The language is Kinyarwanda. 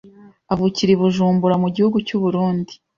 avukira I Bujumbura mu gihugu cy’ u Burundi